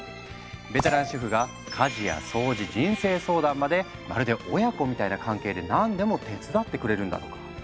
ベテラン主婦が家事や掃除人生相談までまるで親子みたいな関係で何でも手伝ってくれるんだとか。